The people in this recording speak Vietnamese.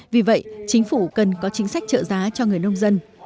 vì vậy chính phủ cần có chính sách trợ giá cho người nông dân